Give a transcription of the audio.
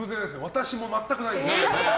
私も全くないです。